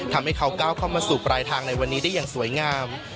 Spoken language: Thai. ทำให้เขาก้าวเข้ามาสู่ปลายทางในวันนี้ได้อย่างสวยงาม